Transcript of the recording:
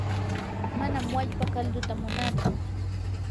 manam wallpa kalduta munaatsu.